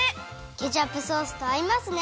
ケチャップソースとあいますね！